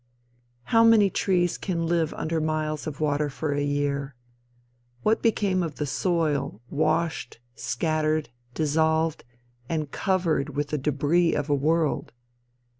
How many trees can live under miles of water for a year? What became of the soil washed, scattered, dissolved, and covered with the debris of a world?